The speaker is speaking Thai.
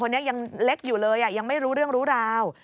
ยังเล็กอยู่เลยยังไม่รู้เรื่องรู้ราว